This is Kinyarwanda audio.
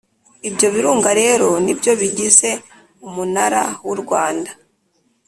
ibyo birunga rero ni byo bigize umunara w'u rwanda